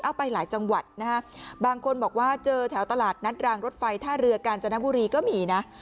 ไปหลายจังหวัดนะฮะบางคนบอกว่าเจอแถวตลาดนัดรางรถไฟท่าเรือกาญจนบุรีก็มีนะ